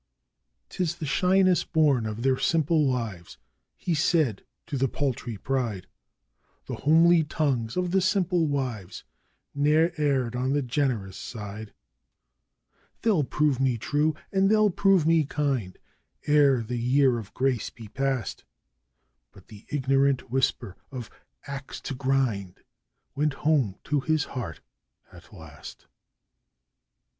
''Tis the shyness born of their simple lives,' he said to the paltry pride (The homely tongues of the simple wives ne'er erred on the generous side) 'They'll prove me true and they'll prove me kind ere the year of grace be passed,' But the ignorant whisper of 'axe to grind!' went home to his heart at last.